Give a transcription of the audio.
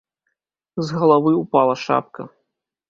З галавы ўпала шапка.